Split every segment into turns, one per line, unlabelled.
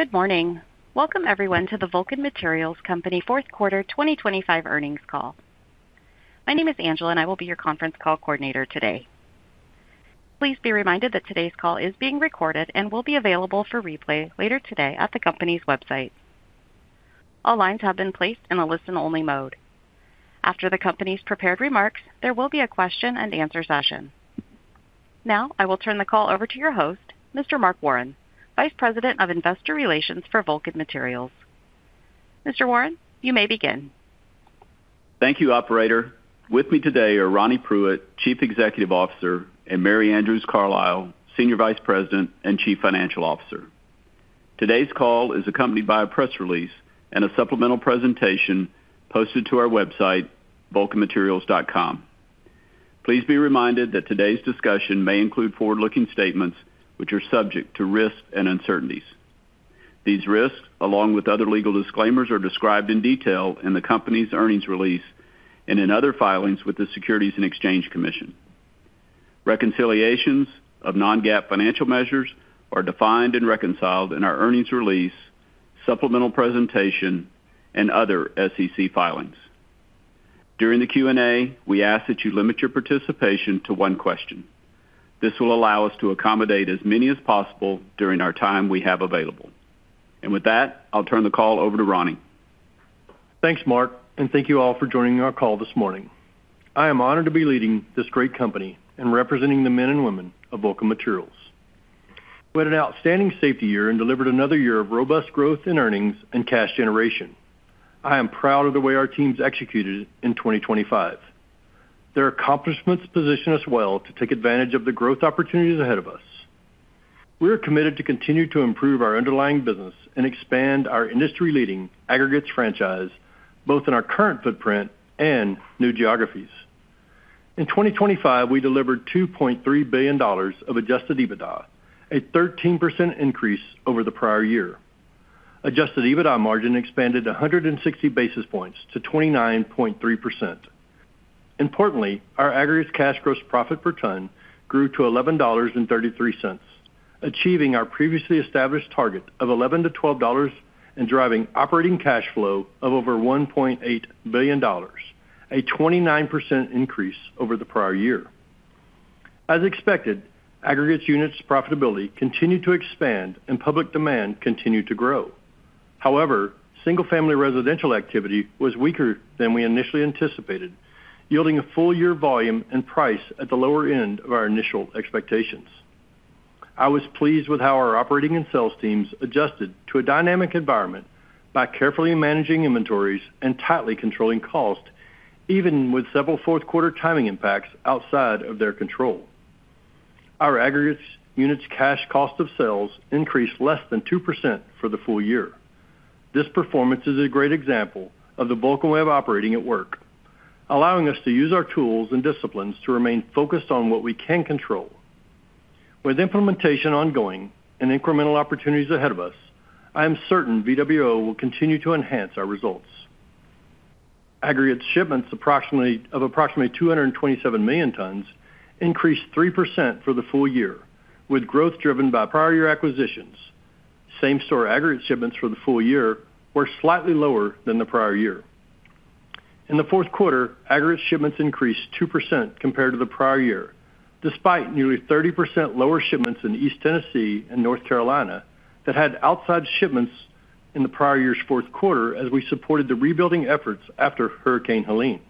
Good morning. Welcome everyone to the Vulcan Materials Company fourth quarter 2025 earnings call. My name is Angela, and I will be your conference call coordinator today. Please be reminded that today's call is being recorded and will be available for replay later today at the company's website. All lines have been placed in a listen-only mode. After the company's prepared remarks, there will be a question-and-answer session. Now, I will turn the call over to your host, Mr. Mark Warren, Vice President of Investor Relations for Vulcan Materials. Mr. Warren, you may begin.
Thank you, operator. With me today are Ronnie Pruitt, Chief Executive Officer, and Mary Andrews Carlisle, Senior Vice President and Chief Financial Officer. Today's call is accompanied by a press release and a supplemental presentation posted to our website, vulcanmaterials.com. Please be reminded that today's discussion may include forward-looking statements, which are subject to risks and uncertainties. These risks, along with other legal disclaimers, are described in detail in the company's earnings release and in other filings with the Securities and Exchange Commission. Reconciliations of non-GAAP financial measures are defined and reconciled in our earnings release, supplemental presentation, and other SEC filings. During the Q&A, we ask that you limit your participation to one question. This will allow us to accommodate as many as possible during our time we have available. With that, I'll turn the call over to Ronnie.
Thanks, Mark, and thank you all for joining our call this morning. I am honored to be leading this great company and representing the men and women of Vulcan Materials. We had an outstanding safety year and delivered another year of robust growth in earnings and cash generation. I am proud of the way our teams executed in 2025. Their accomplishments position us well to take advantage of the growth opportunities ahead of us. We are committed to continue to improve our underlying business and expand our industry-leading aggregates franchise, both in our current footprint and new geographies. In 2025, we delivered $2.3 billion of Adjusted EBITDA, a 13% increase over the prior year. Adjusted EBITDA margin expanded 160 basis points to 29.3%. Importantly, our Aggregates cash gross profit per ton grew to $11.33, achieving our previously established target of $11-$12 and driving operating cash flow of over $1.8 billion, a 29% increase over the prior year. As expected, Aggregates units profitability continued to expand and public demand continued to grow. However, single-family residential activity was weaker than we initially anticipated, yielding a full year volume and price at the lower end of our initial expectations. I was pleased with how our operating and sales teams adjusted to a dynamic environment by carefully managing inventories and tightly controlling costs, even with several fourth quarter timing impacts outside of their control. Our Aggregates units cash cost of sales increased less than 2% for the full year. This performance is a great example of the Vulcan Way of Operating at work, allowing us to use our tools and disciplines to remain focused on what we can control. With implementation ongoing and incremental opportunities ahead of us, I am certain VWO will continue to enhance our results. Aggregate shipments of approximately 227 million tons increased 3% for the full year, with growth driven by prior year acquisitions. Same-store aggregate shipments for the full year were slightly lower than the prior year. In the fourth quarter, aggregate shipments increased 2% compared to the prior year, despite nearly 30% lower shipments in East Tennessee and North Carolina that had outside shipments in the prior year's fourth quarter as we supported the rebuilding efforts after Hurricane Helene.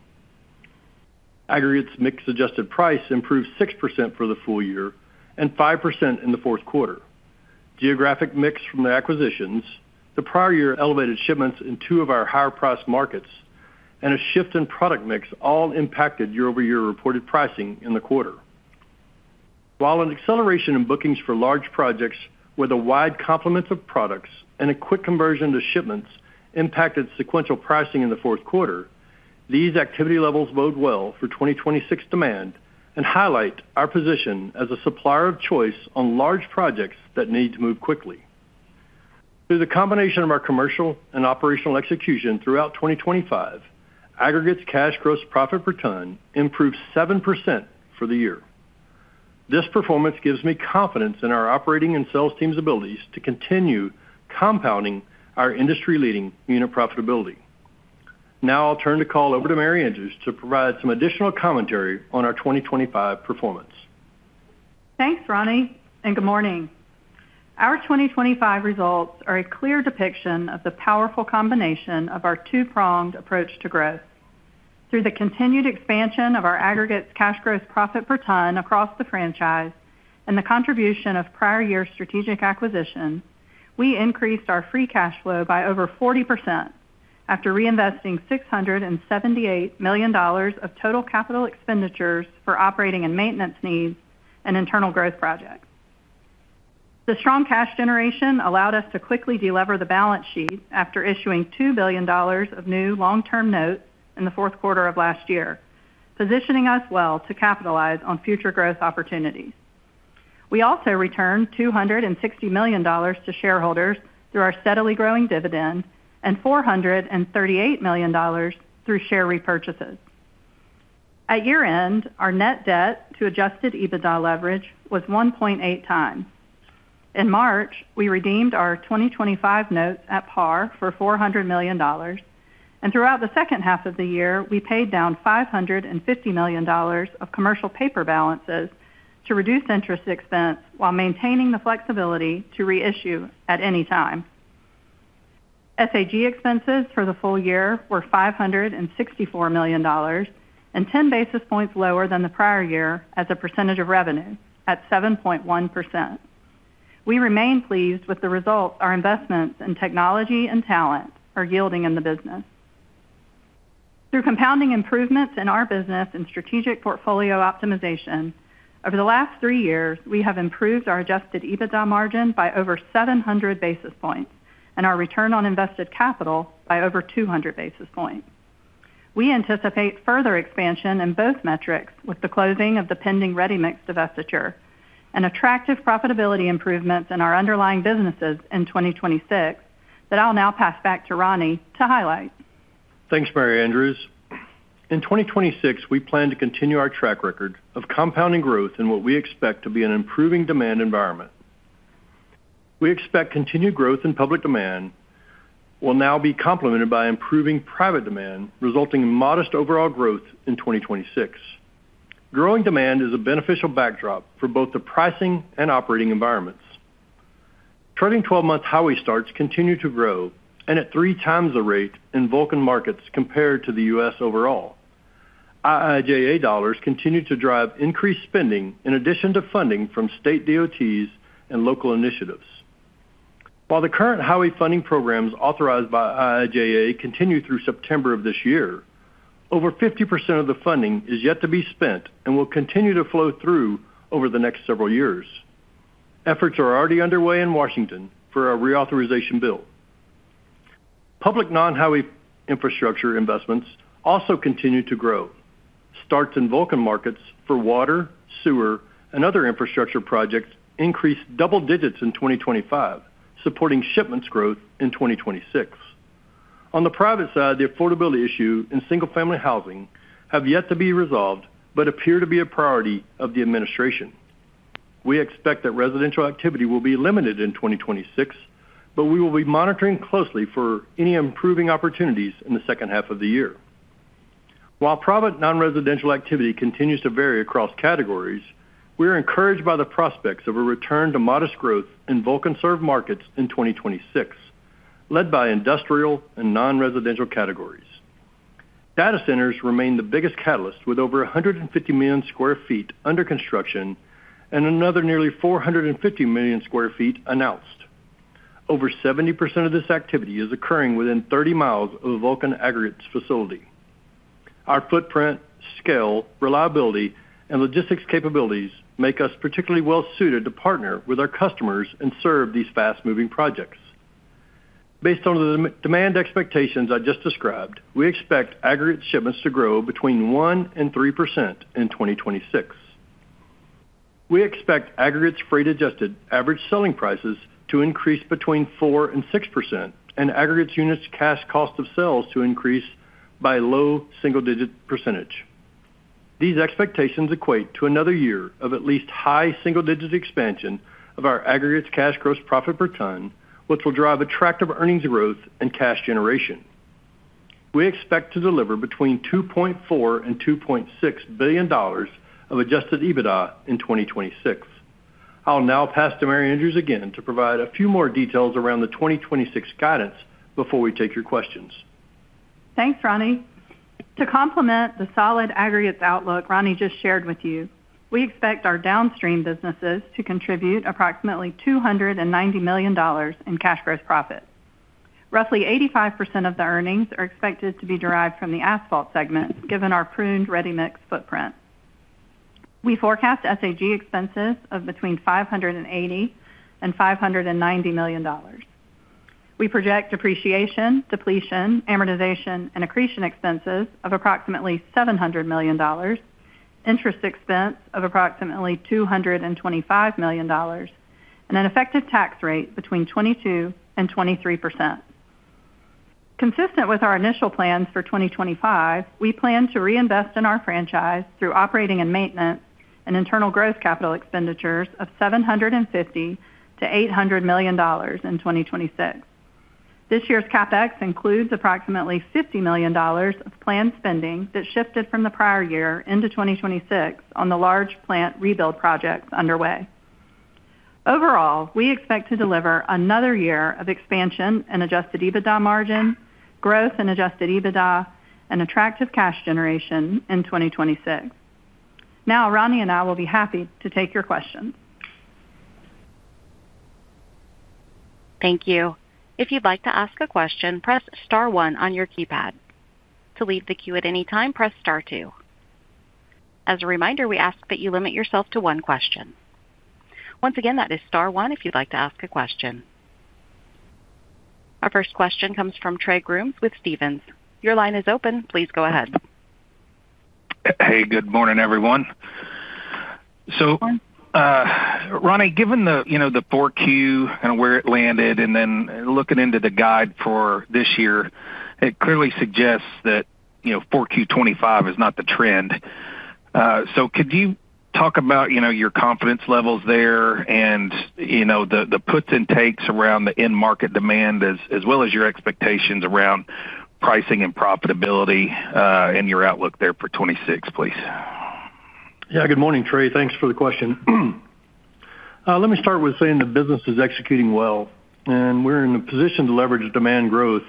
Aggregates mix adjusted price improved 6% for the full year and 5% in the fourth quarter. Geographic mix from the acquisitions, the prior year elevated shipments in two of our higher-priced markets, and a shift in product mix all impacted year-over-year reported pricing in the quarter. While an acceleration in bookings for large projects with a wide complement of products and a quick conversion to shipments impacted sequential pricing in the fourth quarter, these activity levels bode well for 2026 demand and highlight our position as a supplier of choice on large projects that need to move quickly. Through the combination of our commercial and operational execution throughout 2025, aggregates cash gross profit per ton improved 7% for the year. This performance gives me confidence in our operating and sales teams' abilities to continue compounding our industry-leading unit profitability. Now I'll turn the call over to Mary Andrews to provide some additional commentary on our 2025 performance.
Thanks, Ronnie, and good morning. Our 2025 results are a clear depiction of the powerful combination of our two-pronged approach to growth. Through the continued expansion of our aggregates cash gross profit per ton across the franchise and the contribution of prior year strategic acquisitions, we increased our free cash flow by over 40% after reinvesting $678 million of total capital expenditures for operating and maintenance needs and internal growth projects. The strong cash generation allowed us to quickly delever the balance sheet after issuing $2 billion of new long-term notes in the fourth quarter of last year, positioning us well to capitalize on future growth opportunities. We also returned $260 million to shareholders through our steadily growing dividend and $438 million through share repurchases. At year-end, our net debt to Adjusted EBITDA leverage was 1.8x. In March, we redeemed our 2025 notes at par for $400 million, and throughout the second half of the year, we paid down $550 million of commercial paper balances to reduce interest expense while maintaining the flexibility to reissue at any time. SG&A expenses for the full year were $564 million and 10 basis points lower than the prior year as a percentage of revenue at 7.1%. We remain pleased with the result our investments in technology and talent are yielding in the business. Through compounding improvements in our business and strategic portfolio optimization, over the last three years, we have improved our Adjusted EBITDA margin by over 700 basis points and our return on invested capital by over 200 basis points. We anticipate further expansion in both metrics with the closing of the pending ready-mix divestiture and attractive profitability improvements in our underlying businesses in 2026, that I'll now pass back to Ronnie to highlight.
Thanks, Mary Andrews. In 2026, we plan to continue our track record of compounding growth in what we expect to be an improving demand environment. We expect continued growth in public demand will now be complemented by improving private demand, resulting in modest overall growth in 2026. Growing demand is a beneficial backdrop for both the pricing and operating environments. Trailing 12 months, highway starts continue to grow and at three times the rate in Vulcan markets compared to the U.S. overall. IIJA dollars continue to drive increased spending in addition to funding from state DOTs and local initiatives. While the current highway funding programs authorized by IIJA continue through September of this year, over 50% of the funding is yet to be spent and will continue to flow through over the next several years. Efforts are already underway in Washington for a reauthorization bill. Public non-highway infrastructure investments also continue to grow. Starts in Vulcan markets for water, sewer, and other infrastructure projects increased double digits in 2025, supporting shipments growth in 2026. On the private side, the affordability issue in single-family housing have yet to be resolved, but appear to be a priority of the administration. We expect that residential activity will be limited in 2026, but we will be monitoring closely for any improving opportunities in the second half of the year. While private non-residential activity continues to vary across categories, we are encouraged by the prospects of a return to modest growth in Vulcan served markets in 2026, led by industrial and non-residential categories. Data centers remain the biggest catalyst, with over 150 million sq ft under construction and another nearly 450 million sq ft announced. Over 70% of this activity is occurring within 30 mi of the Vulcan Aggregates facility. Our footprint, scale, reliability, and logistics capabilities make us particularly well suited to partner with our customers and serve these fast-moving projects. Based on the demand expectations I just described, we expect aggregate shipments to grow between 1% and 3% in 2026. We expect aggregates freight adjusted average selling prices to increase between 4% and 6%, and aggregates units cash cost of sales to increase by low single-digit percentage. These expectations equate to another year of at least high single-digit expansion of our aggregates cash gross profit per ton, which will drive attractive earnings growth and cash generation. We expect to deliver between $2.4 billion and $2.6 billion of Adjusted EBITDA in 2026. I'll now pass to Mary Andrews again to provide a few more details around the 2026 guidance before we take your questions.
Thanks, Ronnie. To complement the solid aggregates outlook Ronnie just shared with you, we expect our downstream businesses to contribute approximately $290 million in cash gross profit. Roughly 85% of the earnings are expected to be derived from the asphalt segment, given our pruned ready-mix footprint. We forecast SG&A expenses of between $580 million and $590 million. We project depreciation, depletion, amortization, and accretion expenses of approximately $700 million, interest expense of approximately $225 million, and an effective tax rate between 22% and 23%. Consistent with our initial plans for 2025, we plan to reinvest in our franchise through operating and maintenance and internal growth capital expenditures of $750 million-$800 million in 2026. This year's CapEx includes approximately $50 million of planned spending that shifted from the prior year into 2026 on the large plant rebuild projects underway. Overall, we expect to deliver another year of expansion and Adjusted EBITDA margin, growth and Adjusted EBITDA, and attractive cash generation in 2026. Now, Ronnie and I will be happy to take your questions.
Thank you. If you'd like to ask a question, press star one on your keypad. To leave the queue at any time, press star two. As a reminder, we ask that you limit yourself to one question. Once again, that is star one if you'd like to ask a question. Our first question comes from Trey Grooms with Stephens. Your line is open. Please go ahead.
Hey, good morning, everyone. So, Ronnie, given the, you know, the 4Q and where it landed, and then looking into the guide for this year, it clearly suggests that, you know, 4Q 2025 is not the trend. So could you talk about, you know, your confidence levels there and, you know, the puts and takes around the end market demand, as well as your expectations around pricing and profitability, and your outlook there for 2026, please?
Yeah. Good morning, Trey. Thanks for the question. Let me start with saying the business is executing well, and we're in a position to leverage demand growth,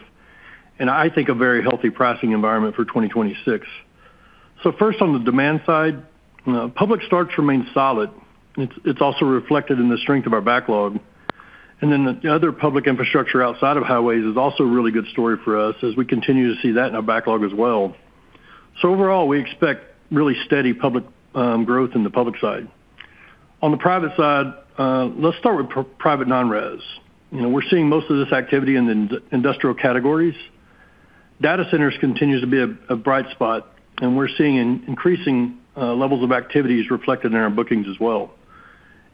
and I think a very healthy pricing environment for 2026. So first, on the demand side, public starts remains solid. It's, it's also reflected in the strength of our backlog. And then the other public infrastructure outside of highways is also a really good story for us as we continue to see that in our backlog as well. So overall, we expect really steady public growth in the public side. On the private side, let's start with private non-res. You know, we're seeing most of this activity in the industrial categories. Data centers continues to be a bright spot, and we're seeing increasing levels of activities reflected in our bookings as well.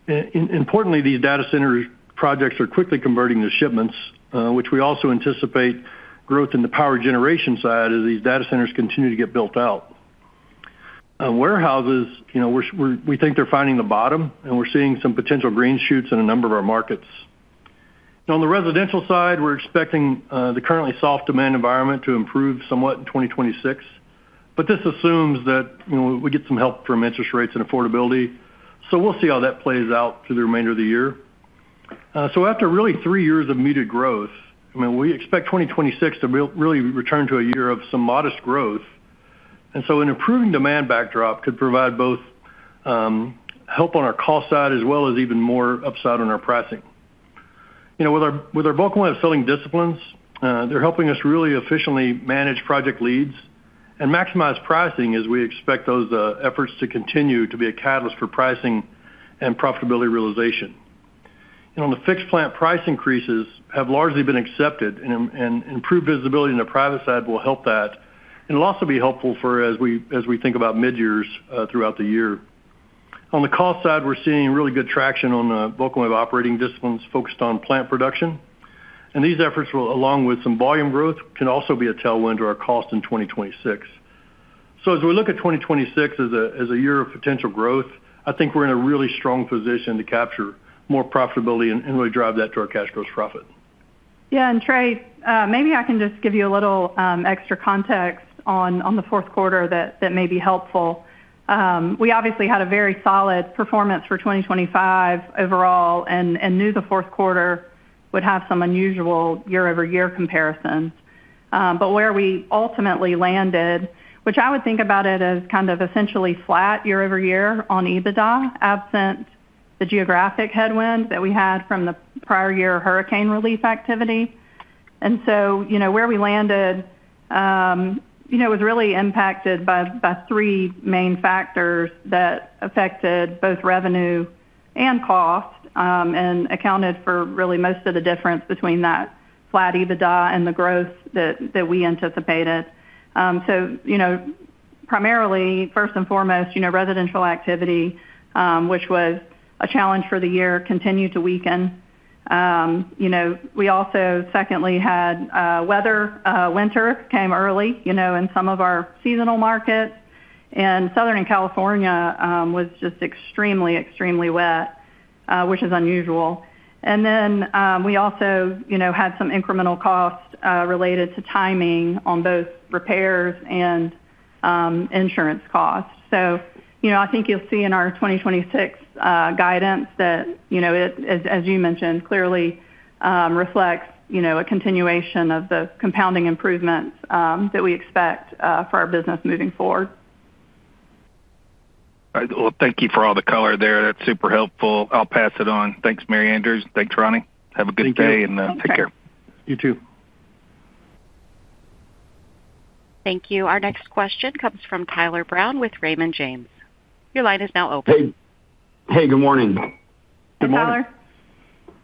Importantly, these data center projects are quickly converting to shipments, which we also anticipate growth in the power generation side as these data centers continue to get built out. On warehouses, you know, we're, we think they're finding the bottom, and we're seeing some potential green shoots in a number of our markets. Now, on the residential side, we're expecting the currently soft demand environment to improve somewhat in 2026, but this assumes that, you know, we get some help from interest rates and affordability. So we'll see how that plays out through the remainder of the year. So after really three years of muted growth, I mean, we expect 2026 to really return to a year of some modest growth. And so an improving demand backdrop could provide both help on our cost side as well as even more upside on our pricing. You know, with our Vulcan Way of Selling disciplines, they're helping us really efficiently manage project leads and maximize pricing as we expect those efforts to continue to be a catalyst for pricing and profitability realization. And on the fixed plant price increases have largely been accepted, and improved visibility in the private side will help that. It'll also be helpful for as we think about midyears throughout the year. On the cost side, we're seeing really good traction on the Vulcan Way of Operating disciplines focused on plant production. And these efforts will, along with some volume growth, can also be a tailwind to our cost in 2026. So as we look at 2026 as a year of potential growth, I think we're in a really strong position to capture more profitability and really drive that to our cash gross profit.
Yeah, and Trey, maybe I can just give you a little extra context on the fourth quarter that may be helpful. We obviously had a very solid performance for 2025 overall and knew the fourth quarter would have some unusual year-over-year comparisons. But where we ultimately landed, which I would think about it as kind of essentially flat year-over-year on EBITDA, absent the geographic headwinds that we had from the prior year hurricane relief activity. And so, you know, where we landed, you know, was really impacted by three main factors that affected both revenue and cost and accounted for really most of the difference between that flat EBITDA and the growth that we anticipated. So, you know, primarily, first and foremost, you know, residential activity, which was a challenge for the year, continued to weaken. You know, we also, secondly, had weather, winter came early, you know, in some of our seasonal markets, and Southern California was just extremely, extremely wet, which is unusual. And then, we also, you know, had some incremental costs, related to timing on both repairs and, insurance costs. So, you know, I think you'll see in our 2026 guidance that, you know, it, as, as you mentioned, clearly, reflects, you know, a continuation of the compounding improvements, that we expect, for our business moving forward.
All right. Well, thank you for all the color there. That's super helpful. I'll pass it on. Thanks, Mary Andrews. Thanks, Ronnie.
Thank you.
Have a good day, and take care.
You too.
Thank you. Our next question comes from Tyler Brown with Raymond James. Your line is now open.
Hey. Hey, good morning.
Good morning, Tyler.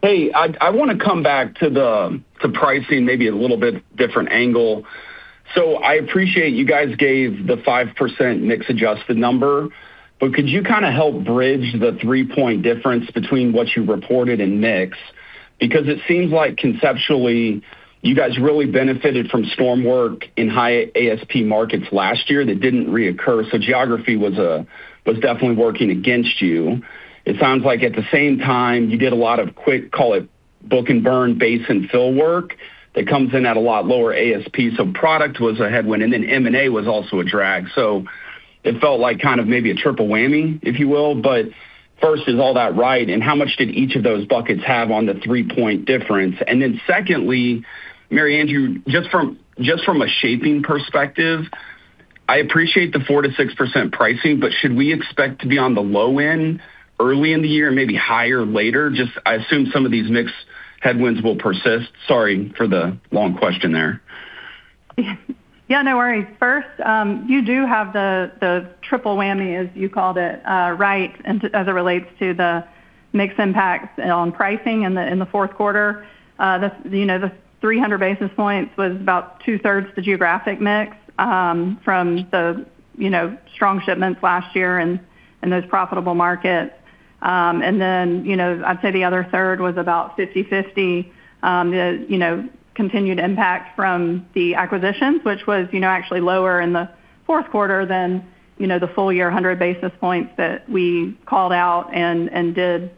Hey, I want to come back to the pricing, maybe a little bit different angle. So I appreciate you guys gave the 5% mix adjusted number, but could you kind of help bridge the 3-point difference between what you reported in mix? Because it seems like conceptually, you guys really benefited from storm work in high ASP markets last year that didn't reoccur, so geography was definitely working against you. It sounds like at the same time, you did a lot of quick, call it book and burn, base and fill work that comes in at a lot lower ASP, so product was a headwind, and then M&A was also a drag. So it felt like kind of maybe a triple whammy, if you will. But first, is all that right, and how much did each of those buckets have on the 3-point difference? And then secondly, Mary Andrews, just from a shaping perspective, I appreciate the 4%-6% pricing, but should we expect to be on the low end early in the year and maybe higher later? Just, I assume some of these mix headwinds will persist. Sorry for the long question there.
Yeah, no worries. First, you do have the triple whammy, as you called it, right, as it relates to the mix impacts on pricing in the fourth quarter. The, you know, the 300 basis points was about two-thirds the geographic mix from the, you know, strong shipments last year and those profitable markets. And then, you know, I'd say the other third was about 50/50. The, you know, continued impact from the acquisitions, which was, you know, actually lower in the fourth quarter than, you know, the full year, 100 basis points that we called out and did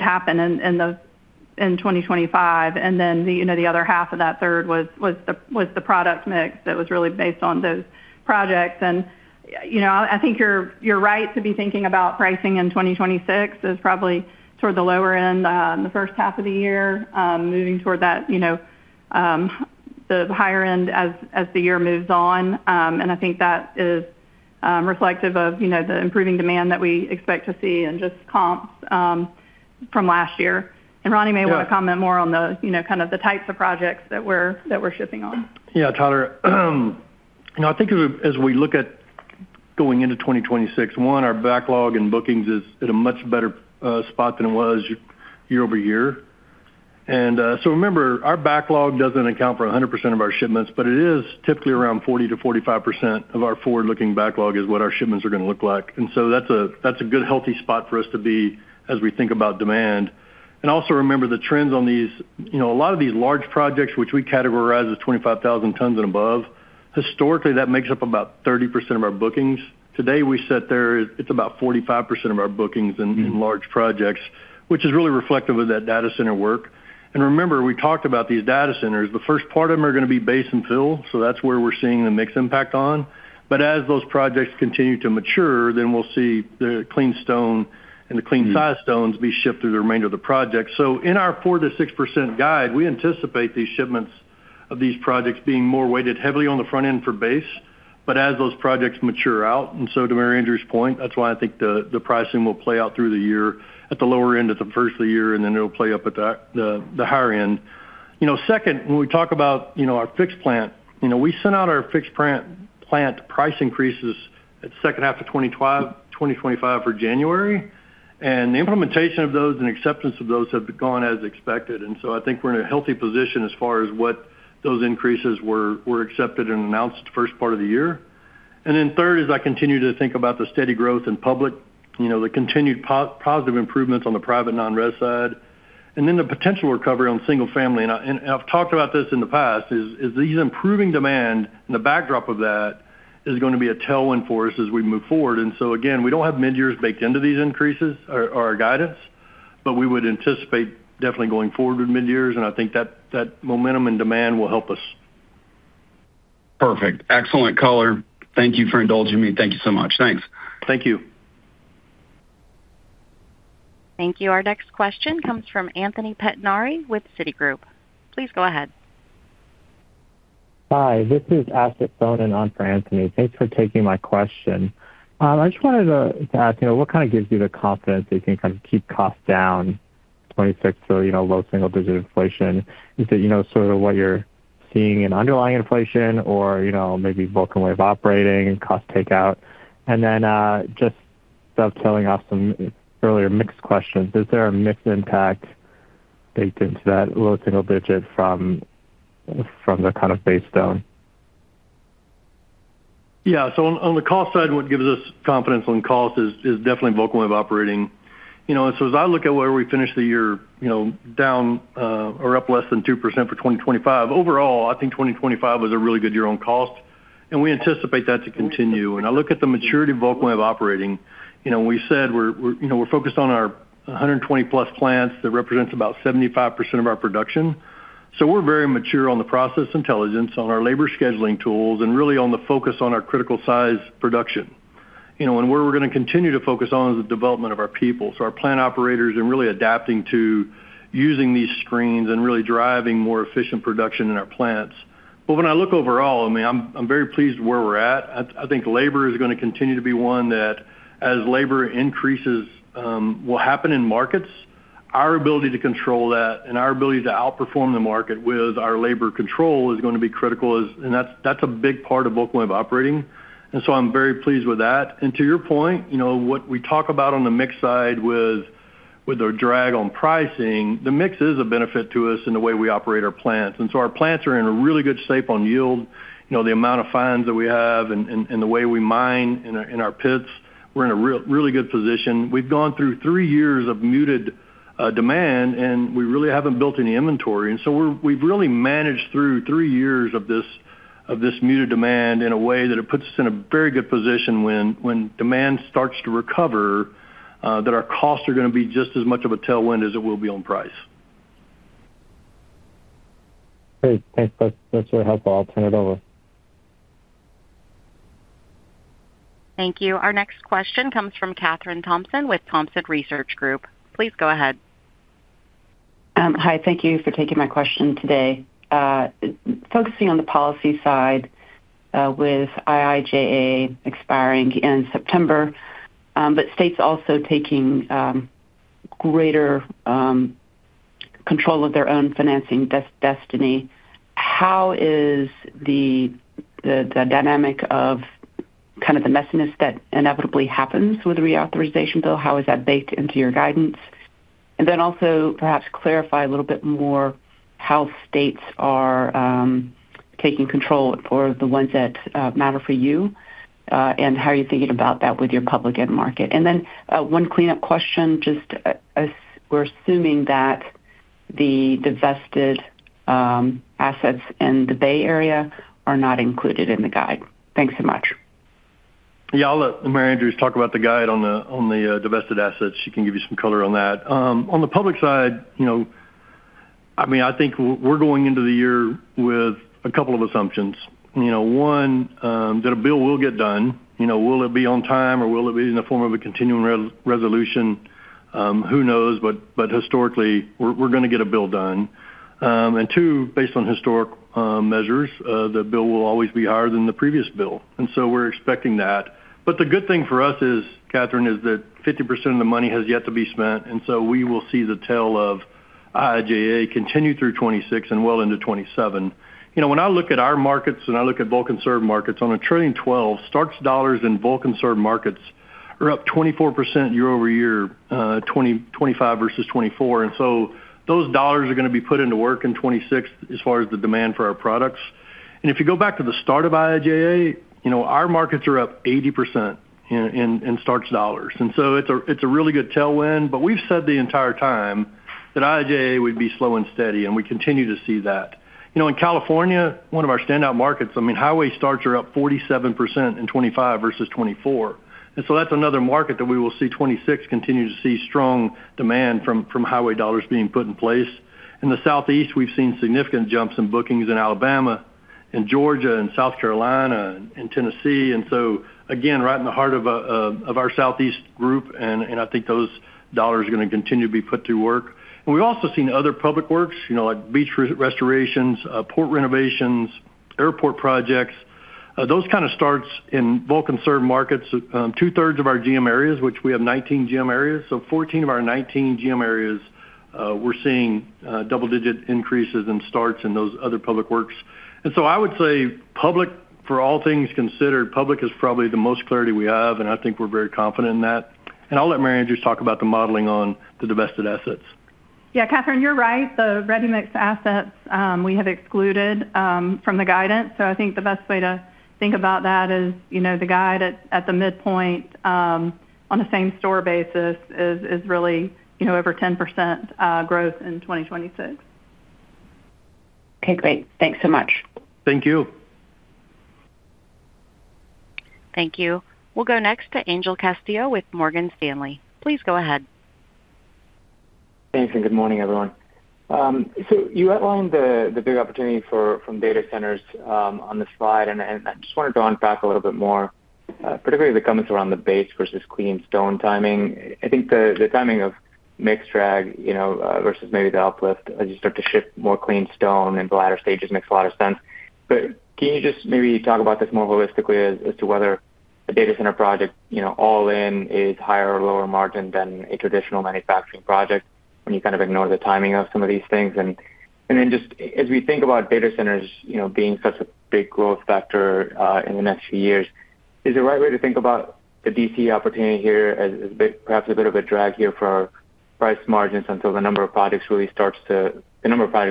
happen in 2025. And then the, you know, the other half of that third was the product mix that was really based on those projects. You know, I think you're right to be thinking about pricing in 2026 is probably toward the lower end in the first half of the year, moving toward that, you know, the higher end as the year moves on. And I think that is reflective of, you know, the improving demand that we expect to see and just comps from last year. And Ronnie may want to comment more on the, you know, kind of the types of projects that we're shipping on.
Yeah, Tyler, you know, I think as we as we look at going into 2026, our backlog and bookings is at a much better spot than it was year-over-year. So remember, our backlog doesn't account for 100% of our shipments, but it is typically around 40%-45% of our forward-looking backlog is what our shipments are going to look like. And so that's a good, healthy spot for us to be as we think about demand. And also remember the trends on these. You know, a lot of these large projects, which we categorize as 25,000 tons and above, historically, that makes up about 30% of our bookings. Today, we sit there, it's about 45% of our bookings in large projects, which is really reflective of that data center work. Remember, we talked about these data centers. The first part of them are going to be base and fill, so that's where we're seeing the mix impact on. But as those projects continue to mature, then we'll see the clean stone and the clean size stones be shipped through the remainder of the project. So in our 4%-6% guide, we anticipate these shipments of these projects being more weighted heavily on the front end for base. But as those projects mature out, and so to Mary Andrews's point, that's why I think the pricing will play out through the year at the lower end of the first of the year, and then it'll play up at the higher end. You know, second, when we talk about, you know, our fixed plant, you know, we sent out our fixed plant price increases at second half of 2025 for January, and the implementation of those and acceptance of those have gone as expected. And so I think we're in a healthy position as far as what those increases were accepted and announced the first part of the year. And then third, as I continue to think about the steady growth in public, you know, the continued positive improvements on the private non-res side, and then the potential recovery on single family. And I've talked about this in the past, is these improving demand and the backdrop of that is going to be a tailwind for us as we move forward. And so again, we don't have midyears baked into these increases or our guidance, but we would anticipate definitely going forward with midyears, and I think that momentum and demand will help us.
Perfect. Excellent color. Thank you for indulging me. Thank you so much. Thanks.
Thank you.
Thank you. Our next question comes from Anthony Pettinari with Citigroup. Please go ahead.
Hi, this is Asher Sohnen in for Anthony. Thanks for taking my question. I just wanted to ask, you know, what kind of gives you the confidence that you can kind of keep costs down in 2026, so, you know, low single-digit inflation? Is it, you know, sort of what you're seeing in underlying inflation or, you know, maybe Vulcan Way of Operating and cost takeout? And then, just dovetailing off some earlier mix questions, is there a mix impact baked into that low single-digit from the kind of Base Stone?
Yeah. So on the cost side, what gives us confidence on cost is definitely Vulcan Way of Operating. You know, and so as I look at where we finish the year, you know, down or up less than 2% for 2025. Overall, I think 2025 was a really good year on cost, and we anticipate that to continue. When I look at the maturity of Vulcan Way of Operating, you know, we said we're focused on our 120+ plants. That represents about 75% of our production. So we're very mature on the process intelligence, on our labor scheduling tools, and really on the focus on our critical size production. You know, and where we're going to continue to focus on is the development of our people. So our plant operators are really adapting to using these screens and really driving more efficient production in our plants. But when I look overall, I mean, I'm very pleased where we're at. I think labor is going to continue to be one that as labor increases will happen in markets, our ability to control that and our ability to outperform the market with our labor control is going to be critical as and that's a big part of Vulcan Way of Operating, and so I'm very pleased with that. And to your point, you know, what we talk about on the mix side with our drag on pricing, the mix is a benefit to us in the way we operate our plants. And so our plants are in a really good shape on yield. You know, the amount of fines that we have and the way we mine in our pits, we're in a really good position. We've gone through three years of muted demand, and we really haven't built any inventory. And so we've really managed through three years of this muted demand in a way that it puts us in a very good position when demand starts to recover, that our costs are going to be just as much of a tailwind as it will be on price.
Great. Thanks, that's, that's really helpful. I'll turn it over.
Thank you. Our next question comes from Kathryn Thompson with Thompson Research Group. Please go ahead.
Hi, thank you for taking my question today. Focusing on the policy side, with IIJA expiring in September, but states also taking greater control of their own financing destiny, how is the dynamic of kind of the messiness that inevitably happens with the reauthorization bill baked into your guidance? And then also perhaps clarify a little bit more how states are taking control for the ones that matter for you, and how are you thinking about that with your public end market? And then one cleanup question, just as we're assuming that the divested assets in the Bay Area are not included in the guide. Thanks so much.
Yeah, I'll let Mary Andrews talk about the guide on the, on the, divested assets. She can give you some color on that. On the public side, you know, I mean, I think we're going into the year with a couple of assumptions. You know, one, that a bill will get done. You know, will it be on time, or will it be in the form of a continuing resolution? Who knows? But historically, we're gonna get a bill done. And two, based on historic measures, the bill will always be higher than the previous bill, and so we're expecting that. But the good thing for us is, Kathryn, is that 50% of the money has yet to be spent, and so we will see the tail of IIJA continue through 2026 and well into 2027. You know, when I look at our markets and I look at bulk and served markets, on a trailing 12, starts dollars in bulk and served markets are up 24% year-over-year, 20-2025 versus 2024. And so those dollars are gonna be put into work in 2026 as far as the demand for our products. And if you go back to the start of IIJA, you know, our markets are up 80% in, in, in starts dollars. And so it's a, it's a really good tailwind, but we've said the entire time that IIJA would be slow and steady, and we continue to see that. You know, in California, one of our standout markets, I mean, highway starts are up 47% in 2025 versus 2024. And so that's another market that we will see 2026 continue to see strong demand from, from highway dollars being put in place. In the Southeast, we've seen significant jumps in bookings in Alabama, in Georgia, in South Carolina, in Tennessee, and so again, right in the heart of our Southeast group, and I think those dollars are gonna continue to be put to work. And we've also seen other public works, you know, like beach restorations, port renovations, airport projects. Those kind of starts in bulk and served markets, two-thirds of our GM areas, which we have 19 GM areas, so 14 of our 19 GM areas, we're seeing double-digit increases in starts in those other public works. And so I would say public, for all things considered, public is probably the most clarity we have, and I think we're very confident in that. And I'll let Mary Andrews talk about the modeling on the divested assets.
Yeah, Kathryn, you're right. The ready-mix assets, we have excluded from the guidance. So I think the best way to think about that is, you know, the guide at the midpoint on a same-store basis is really, you know, over 10% growth in 2026.
Okay, great. Thanks so much.
Thank you.
Thank you. We'll go next to Angel Castillo with Morgan Stanley. Please go ahead.
Thanks, and good morning, everyone. So you outlined the big opportunity from data centers on the slide, and I just wanted to unpack a little bit more, particularly the comments around the base versus clean stone timing. I think the timing of mix drag, you know, versus maybe the uplift as you start to ship more clean stone in the latter stages makes a lot of sense. But can you just maybe talk about this more holistically as to whether a data center project, you know, all in, is higher or lower margin than a traditional manufacturing project when you kind of ignore the timing of some of these things? And then just as we think about data centers, you know, being such a big growth factor in the next few years, is the right way to think about the DC opportunity here as perhaps a bit of a drag here for price margins until the number of projects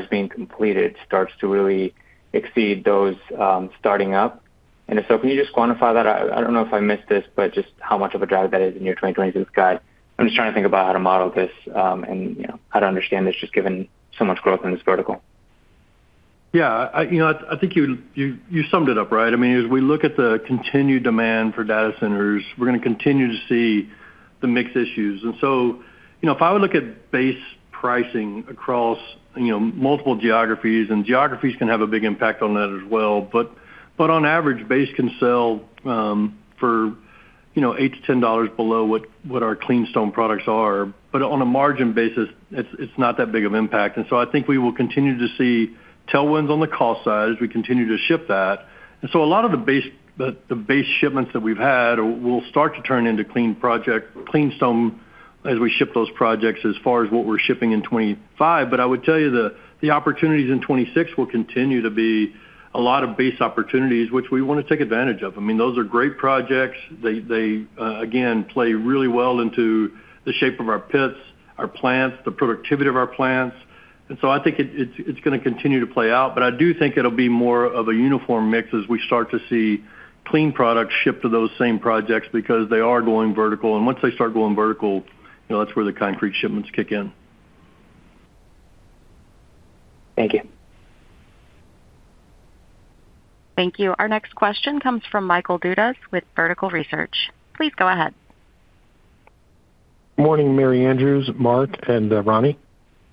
being completed starts to really exceed those starting up? And if so, can you just quantify that? I don't know if I missed this, but just how much of a drag that is in your 2022 guide. I'm just trying to think about how to model this, you know, how to understand this, just given so much growth in this vertical.
Yeah, you know, I think you summed it up right. I mean, as we look at the continued demand for data centers, we're gonna continue to see the mix issues. And so, you know, if I would look at base pricing across, you know, multiple geographies, and geographies can have a big impact on that as well, but on average, base can sell for, you know, $8-$10 below what our clean stone products are. But on a margin basis, it's not that big of impact. And so I think we will continue to see tailwinds on the cost side as we continue to ship that. And so a lot of the base shipments that we've had will start to turn into clean project clean stone as we ship those projects as far as what we're shipping in 2025. But I would tell you the opportunities in 2026 will continue to be a lot of base opportunities, which we want to take advantage of. I mean, those are great projects. They again play really well into the shape of our pits, our plants, the productivity of our plants. And so I think it's gonna continue to play out, but I do think it'll be more of a uniform mix as we start to see clean products ship to those same projects because they are going vertical. And once they start going vertical, you know, that's where the concrete shipments kick in.
Thank you.
Thank you. Our next question comes from Michael Dudas with Vertical Research. Please go ahead.
Morning, Mary Andrews, Mark, and Ronnie.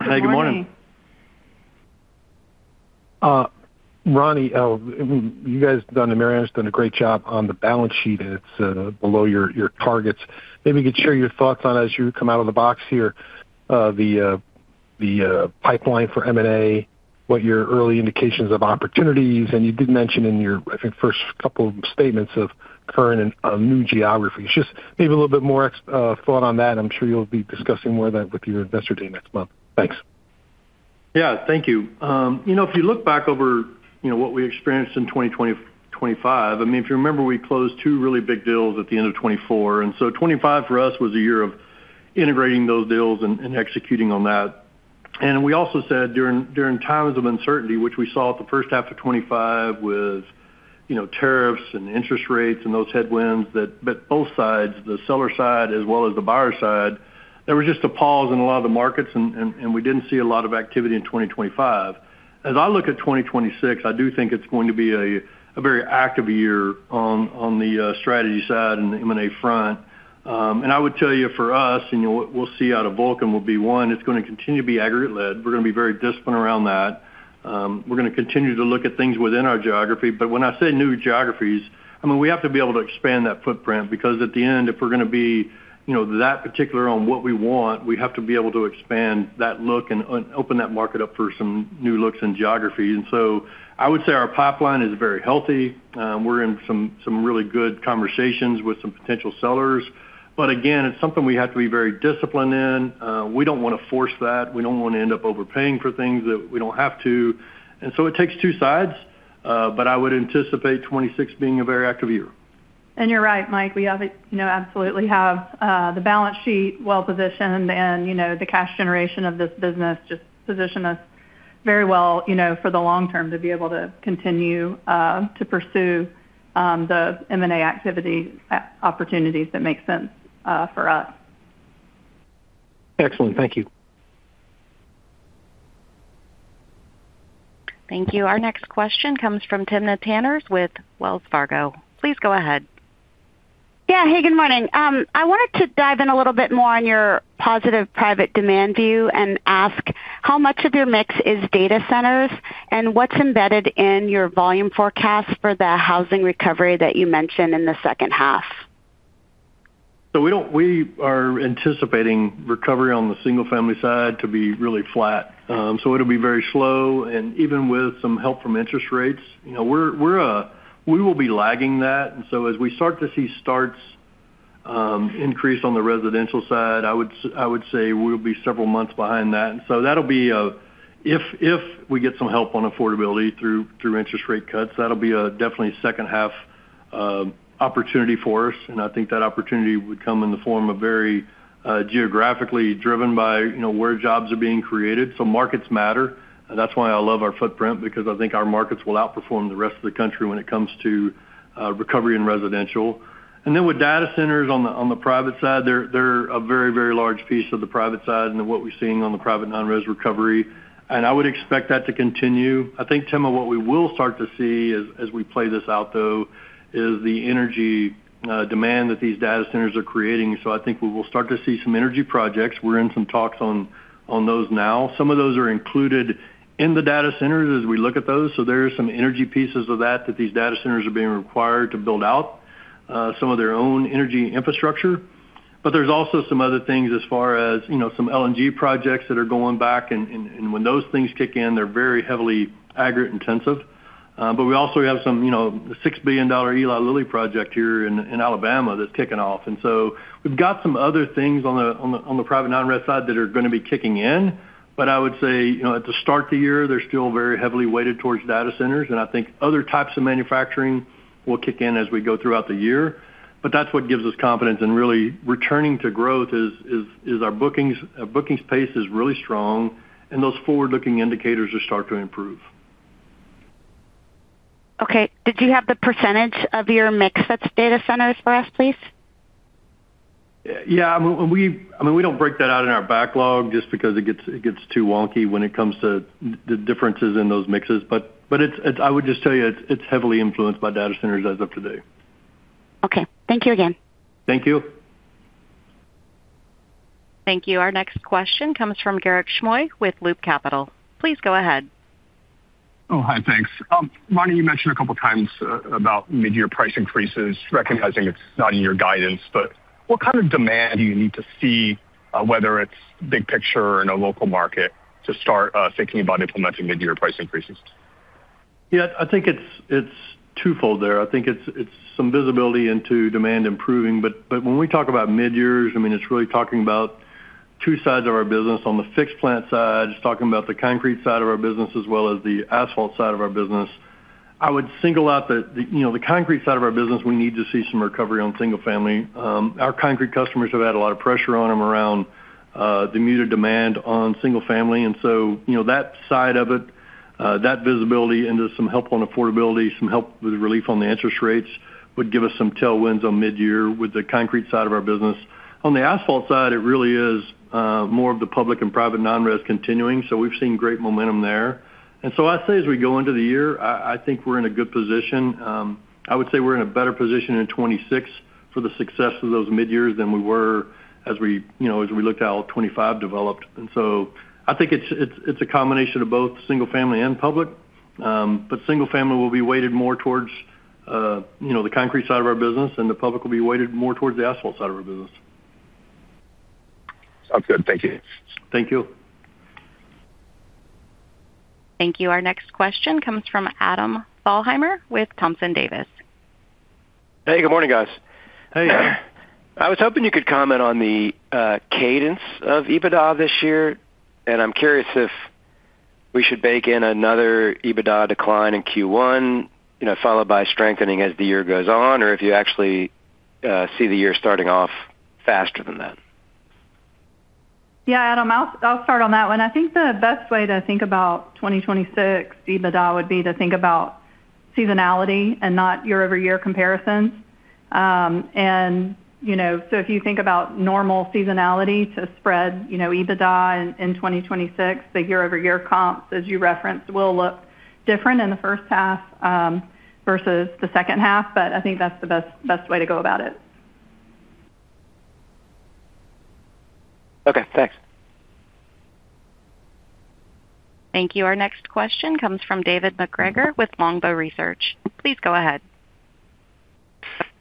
Hey, good morning.
Good morning.
Ronnie, you guys done, and Mary Andrews done a great job on the balance sheet, and it's below your, your targets. Maybe you could share your thoughts on, as you come out of the box here, the pipeline for M&A? What your early indications of opportunities, and you did mention in your, I think, first couple of statements of current and new geographies. Just maybe a little bit more thought on that. I'm sure you'll be discussing more of that with your investor day next month. Thanks.
Yeah, thank you. You know, if you look back over what we experienced in 2025, I mean, if you remember, we closed two really big deals at the end of 2024, and so 2025 for us was a year of integrating those deals and executing on that. And we also said during times of uncertainty, which we saw at the first half of 2025, with you know, tariffs and interest rates and those headwinds, that both sides, the seller side as well as the buyer side, there was just a pause in a lot of the markets and we didn't see a lot of activity in 2025. As I look at 2026, I do think it's going to be a very active year on the strategy side and the M&A front. I would tell you, for us, you know, what we'll see out of Vulcan will be, one, it's gonna continue to be aggregates-led. We're gonna be very disciplined around that. We're gonna continue to look at things within our geography, but when I say new geographies, I mean, we have to be able to expand that footprint, because at the end, if we're gonna be, you know, that particular on what we want, we have to be able to expand that look and open that market up for some new looks and geographies. And so I would say our pipeline is very healthy. We're in some really good conversations with some potential sellers, but again, it's something we have to be very disciplined in. We don't wanna force that. We don't wanna end up overpaying for things that we don't have to. It takes two sides, but I would anticipate 2026 being a very active year.
And you're right, Mike. We have, you know, absolutely have the balance sheet well positioned, and, you know, the cash generation of this business just position us very well, you know, for the long term to be able to continue to pursue the M&A activity opportunities that make sense for us.
Excellent. Thank you.
Thank you. Our next question comes from Timna Tanners with Wells Fargo. Please go ahead.
Yeah. Hey, good morning. I wanted to dive in a little bit more on your positive private demand view and ask, how much of your mix is data centers, and what's embedded in your volume forecast for the housing recovery that you mentioned in the second half?
So we are anticipating recovery on the single-family side to be really flat. So it'll be very slow, and even with some help from interest rates, you know, we're we will be lagging that. And so as we start to see starts increase on the residential side, I would say we'll be several months behind that. And so that'll be a. If we get some help on affordability through interest rate cuts, that'll be a definite second half opportunity for us, and I think that opportunity would come in the form of very geographically driven by, you know, where jobs are being created. So markets matter. That's why I love our footprint, because I think our markets will outperform the rest of the country when it comes to recovery and residential. And then with data centers on the, on the private side, they're, they're a very, very large piece of the private side and what we're seeing on the private non-res recovery, and I would expect that to continue. I think, Timna, what we will start to see as, as we play this out, though, is the energy demand that these data centers are creating. So I think we will start to see some energy projects. We're in some talks on, on those now. Some of those are included in the data centers as we look at those, so there are some energy pieces of that, that these data centers are being required to build out some of their own energy infrastructure. But there's also some other things as far as, you know, some LNG projects that are going back, and when those things kick in, they're very heavily aggregate intensive. But we also have some, you know, $6 billion Eli Lilly project here in Alabama that's kicking off. And so we've got some other things on the private non-res side that are gonna be kicking in. But I would say, you know, at the start of the year, they're still very heavily weighted towards data centers, and I think other types of manufacturing will kick in as we go throughout the year. But that's what gives us confidence. And really, returning to growth is our bookings. Our bookings pace is really strong, and those forward-looking indicators are start to improve.
Okay. Did you have the percentage of your mix that's data centers for us, please?
Yeah, I mean, we don't break that out in our backlog just because it gets too wonky when it comes to the differences in those mixes. But it's heavily influenced by data centers as of today.
Okay. Thank you again.
Thank you.
Thank you. Our next question comes from Garik Shmois with Loop Capital. Please go ahead.
Oh, hi, thanks. Ronnie, you mentioned a couple of times about mid-year price increases, recognizing it's not in your guidance, but what kind of demand do you need to see, whether it's big picture in a local market, to start thinking about implementing mid-year price increases?
Yeah, I think it's twofold there. I think it's some visibility into demand improving, but when we talk about mid-years, I mean, it's really talking about two sides of our business. On the fixed plant side, it's talking about the concrete side of our business as well as the asphalt side of our business. I would single out that, you know, the concrete side of our business, we need to see some recovery on single-family. Our concrete customers have had a lot of pressure on them around the muted demand on single-family, and so, you know, that side of it, that visibility into some help on affordability, some help with relief on the interest rates, would give us some tailwinds on mid-year with the concrete side of our business. On the asphalt side, it really is more of the public and private non-res continuing, so we've seen great momentum there.
Thank you. Our next question comes from Adam Thalhimer with Thompson Davis.
Hey, good morning, guys.
Hey.
I was hoping you could comment on the cadence of EBITDA this year, and I'm curious if we should bake in another EBITDA decline in Q1, you know, followed by strengthening as the year goes on, or if you actually see the year starting off faster than that.
Yeah, Adam, I'll start on that one. I think the best way to think about 2026 EBITDA would be to think about seasonality and not year-over-year comparisons. And, you know, so if you think about normal seasonality to spread, you know, EBITDA in 2026, the year-over-year comps, as you referenced, will look different in the first half versus the second half, but I think that's the best way to go about it.
Okay, thanks.
Thank you. Our next question comes from David MacGregor with Longbow Research. Please go ahead.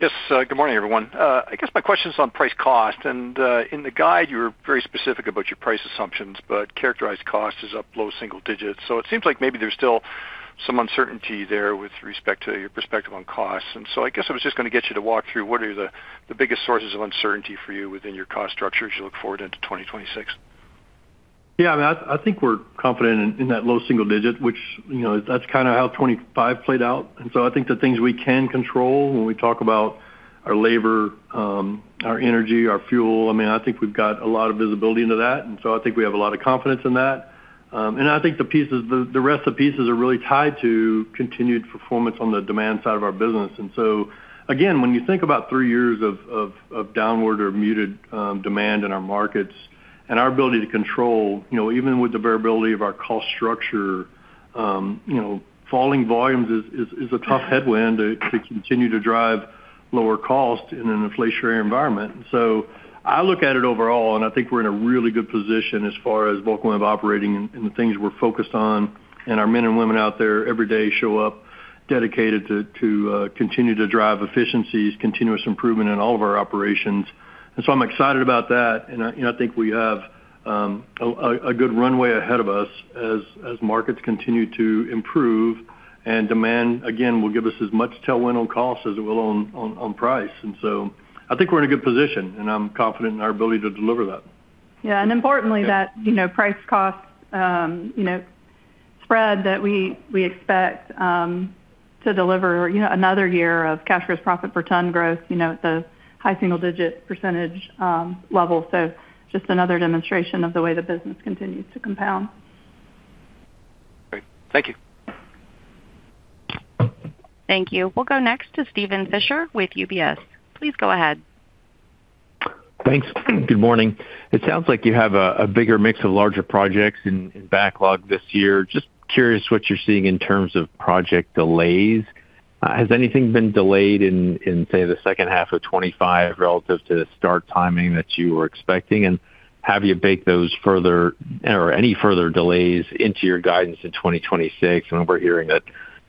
Yes, good morning, everyone. I guess my question is on price cost, and, in the guide, you were very specific about your price assumptions, but characterized cost is up low single digits. So it seems like maybe there's still some uncertainty there with respect to your perspective on costs. And so I guess I was just going to get you to walk through what are the biggest sources of uncertainty for you within your cost structure as you look forward into 2026?
Yeah, I mean, I think we're confident in that low single digit, which, you know, that's kind of how 2025 played out. And so I think the things we can control when we talk about our labor, our energy, our fuel, I mean, I think we've got a lot of visibility into that, and so I think we have a lot of confidence in that. And I think the pieces, the rest of the pieces are really tied to continued performance on the demand side of our business. And so again, when you think about three years of downward or muted demand in our markets and our ability to control, you know, even with the variability of our cost structure, you know, falling volumes is a tough headwind to continue to drive lower cost in an inflationary environment. So I look at it overall, and I think we're in a really good position as far as Vulcan Way of Operating and the things we're focused on. And our men and women out there every day show up dedicated to continue to drive efficiencies, continuous improvement in all of our operations. And so I'm excited about that, and I think we have a good runway ahead of us as markets continue to improve, and demand, again, will give us as much tailwind on cost as it will on price. And so I think we're in a good position, and I'm confident in our ability to deliver that.
Yeah, and importantly, that, you know, price cost, you know, spread that we, we expect, to deliver, you know, another year of cash versus profit per ton growth, you know, at the high single-digit % level. So just another demonstration of the way the business continues to compound.
Great. Thank you.
Thank you. We'll go next to Steven Fisher with UBS. Please go ahead.
Thanks. Good morning. It sounds like you have a bigger mix of larger projects in backlog this year. Just curious what you're seeing in terms of project delays. Has anything been delayed in, say, the second half of 2025 relative to the start timing that you were expecting? And have you baked those further or any further delays into your guidance in 2026? I know we're hearing that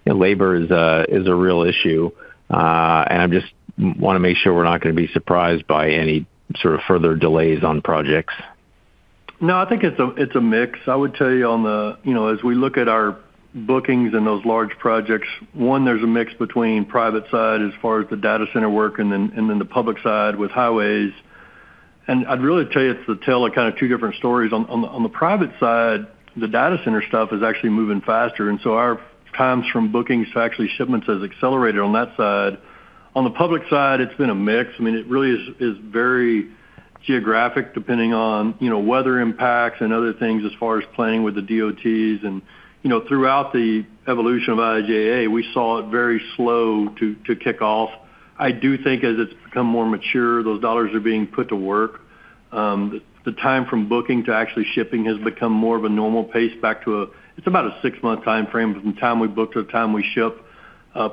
labor is a real issue, and I just wanna make sure we're not gonna be surprised by any sort of further delays on projects.
No, I think it's a mix. I would tell you on the... You know, as we look at our bookings and those large projects, one, there's a mix between private side as far as the data center work, and then, and then the public side with highways. And I'd really tell you, it's the tale of kind of two different stories. On the private side, the data center stuff is actually moving faster, and so our times from bookings to actually shipments has accelerated on that side. On the public side, it's been a mix. I mean, it really is very geographic, depending on, you know, weather impacts and other things as far as planning with the DOTs. And, you know, throughout the evolution of IIJA, we saw it very slow to kick off. I do think as it's become more mature, those dollars are being put to work. The time from booking to actually shipping has become more of a normal pace back to a—it's about a six-month timeframe from the time we book to the time we ship.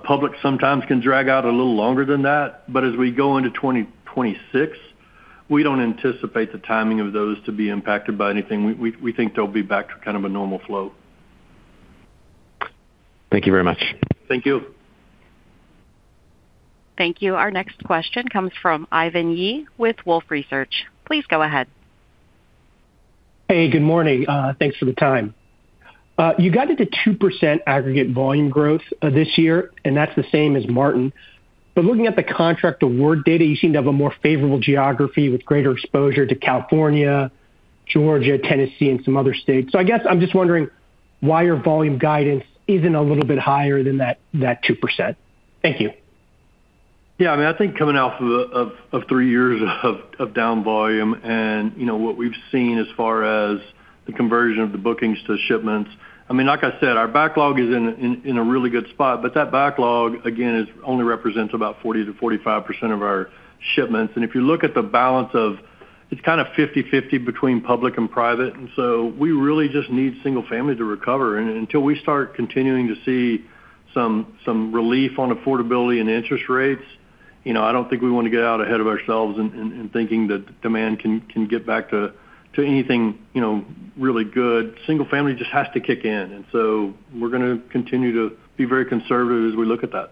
Public sometimes can drag out a little longer than that, but as we go into 2026, we don't anticipate the timing of those to be impacted by anything. We think they'll be back to kind of a normal flow.
Thank you very much.
Thank you.
Thank you. Our next question comes from Ivan Yi with Wolfe Research. Please go ahead.
Hey, good morning. Thanks for the time. You guided to 2% aggregate volume growth this year, and that's the same as Martin. But looking at the contract award data, you seem to have a more favorable geography with greater exposure to California, Georgia, Tennessee, and some other states. So I guess I'm just wondering why your volume guidance isn't a little bit higher than that 2%. Thank you.
Yeah, I mean, I think coming off of three years of down volume and, you know, what we've seen as far as the conversion of the bookings to shipments, I mean, like I said, our backlog is in a really good spot, but that backlog, again, is only represents about 40%-45% of our shipments. And if you look at the balance of... It's kind of 50/50 between public and private, and so we really just need single family to recover. And until we start continuing to see some relief on affordability and interest rates, you know, I don't think we want to get out ahead of ourselves in thinking that demand can get back to anything, you know, really good. Single family just has to kick in, and so we're gonna continue to be very conservative as we look at that....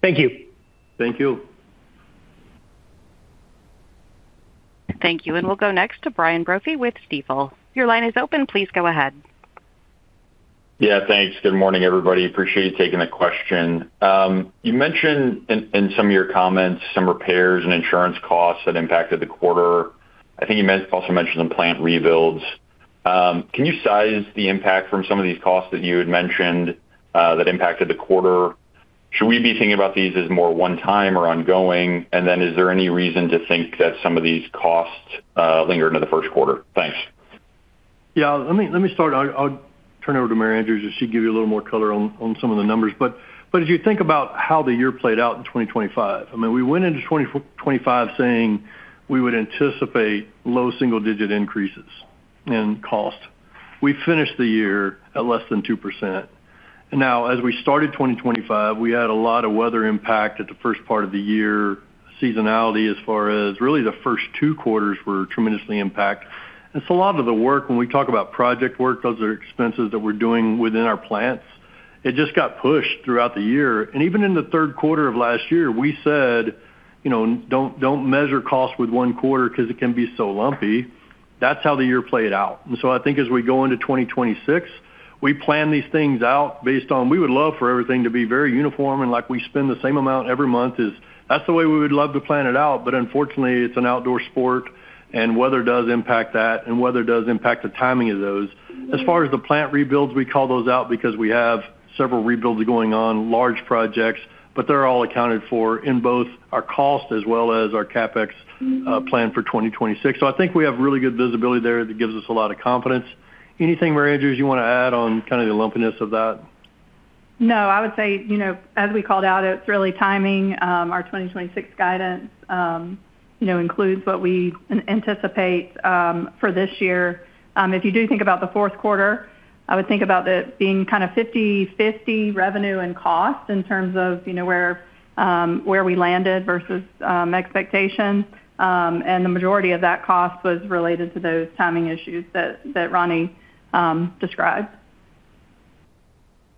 Thank you.
Thank you.
Thank you, and we'll go next to Brian Brophy with Stifel. Your line is open. Please go ahead.
Yeah, thanks. Good morning, everybody. Appreciate you taking the question. You mentioned in some of your comments some repairs and insurance costs that impacted the quarter. I think you meant also mentioned the plant rebuilds. Can you size the impact from some of these costs that you had mentioned that impacted the quarter? Should we be thinking about these as more one time or ongoing? And then is there any reason to think that some of these costs linger into the first quarter? Thanks.
Yeah, let me start. I'll turn it over to Mary Andrews, and she'll give you a little more color on some of the numbers. But as you think about how the year played out in 2025, I mean, we went into 2025 saying we would anticipate low single-digit increases in cost. We finished the year at less than 2%. Now, as we started 2025, we had a lot of weather impact at the first part of the year. Seasonality, as far as really the first two quarters were tremendously impacted. And so a lot of the work, when we talk about project work, those are expenses that we're doing within our plants. It just got pushed throughout the year. And even in the third quarter of last year, we said, "You know, don't measure cost with one quarter because it can be so lumpy." That's how the year played out. And so I think as we go into 2026, we plan these things out based on we would love for everything to be very uniform, and like we spend the same amount every month is that's the way we would love to plan it out, but unfortunately, it's an outdoor sport, and weather does impact that, and weather does impact the timing of those. As far as the plant rebuilds, we call those out because we have several rebuilds going on, large projects, but they're all accounted for in both our cost as well as our CapEx plan for 2026. I think we have really good visibility there that gives us a lot of confidence. Anything, Mary Andrews, you want to add on kind of the lumpiness of that?
No, I would say, you know, as we called out, it's really timing. Our 2026 guidance, you know, includes what we anticipate for this year. If you do think about the fourth quarter, I would think about that being kind of 50/50 revenue and cost in terms of, you know, where, where we landed versus expectations. And the majority of that cost was related to those timing issues that, that Ronnie described.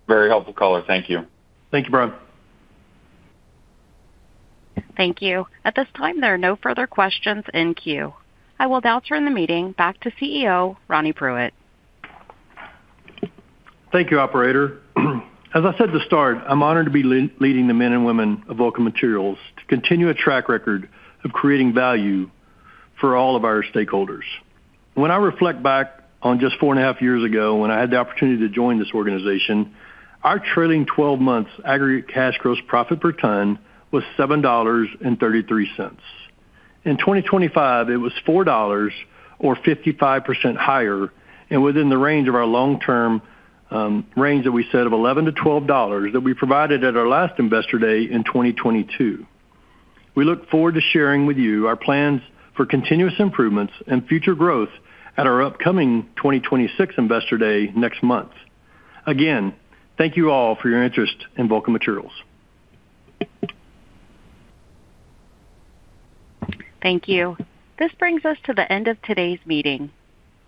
Very helpful color. Thank you.
Thank you, Brian.
Thank you. At this time, there are no further questions in queue. I will now turn the meeting back to CEO Ronnie Pruitt.
Thank you, operator. As I said at the start, I'm honored to be leading the men and women of Vulcan Materials to continue a track record of creating value for all of our stakeholders. When I reflect back on just four and a half years ago, when I had the opportunity to join this organization, our trailing 12 months aggregate cash gross profit per ton was $7.33. In 2025, it was $4 or 55% higher, and within the range of our long-term range that we set of $11-$12 that we provided at our last Investor Day in 2022. We look forward to sharing with you our plans for continuous improvements and future growth at our upcoming 2026 Investor Day next month. Again, thank you all for your interest in Vulcan Materials.
Thank you. This brings us to the end of today's meeting.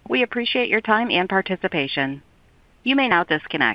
We appreciate your time and participation. You may now disconnect.